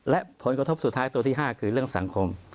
และผลกระทบสุดท้ายตัวที่๕คือเรื่องสังคม